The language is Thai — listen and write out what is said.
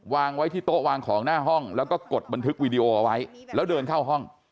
วางไว้ที่โต๊ะวางของหน้าห้องแล้วก็กดบันทึกวีดีโอเอาไว้แล้วเดินเข้าห้อง